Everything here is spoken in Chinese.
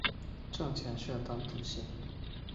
站前设单渡线。